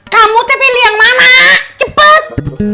kamu teh pilih yang mana cepet